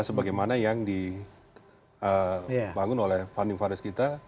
sebagaimana yang dibangun oleh funding fath kita